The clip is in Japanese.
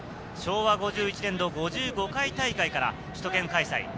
昭和５１年の５５回大会から首都圏開催。